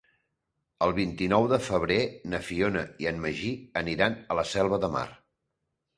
El vint-i-nou de febrer na Fiona i en Magí aniran a la Selva de Mar.